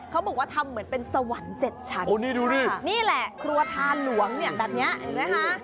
เขาบอกว่าทำเหมือนเป็นสวรรค์๗ชั้นนี่แหละครัวทานหลวงเนี่ยแบบเนี้ยเห็นไหมคะ